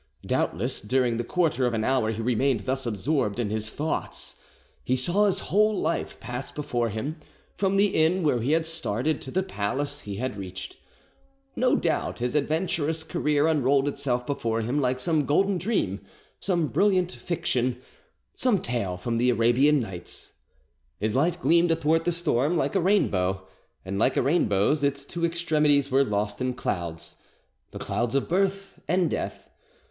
Doubtless, during the quarter of an hour he remained thus absorbed in his thoughts, he saw his whole life pass before him, from the inn where he had started to the palace he had reached; no doubt his adventurous career unrolled itself before him like some golden dream, some brilliant fiction, some tale from the Arabian Nights. His life gleamed athwart the storm like a rainbow, and like a rainbow's, its two extremities were lost in clouds—the clouds of birth and death.